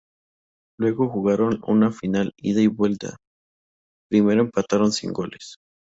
Luego jugaron una final ida y vuelta, primero empataron sin goles.